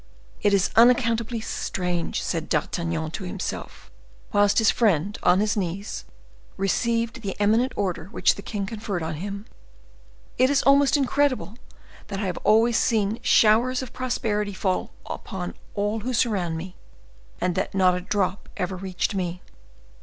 "It is unaccountably strange," said D'Artagnan to himself, whilst his friend, on his knees, received the eminent order which the king conferred on him—"it is almost incredible that I have always seen showers of prosperity fall upon all who surrounded me, and that not a drop ever reached me!